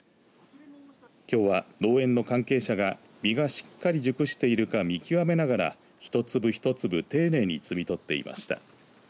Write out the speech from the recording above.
きょうは農園の関係者が実がしっかり熟しているか見極めながら１粒１粒丁寧に摘み取っていました。